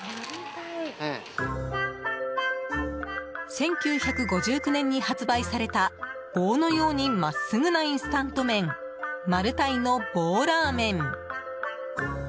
１９５９年に発売された棒のように真っすぐなインスタント麺マルタイの棒ラーメン。